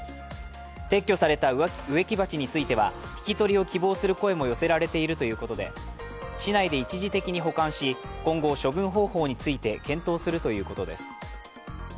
撤去された植木鉢については引き取りを希望する声も寄せられているということで市内で一時的に保管し今後、処分方法について検討するということです。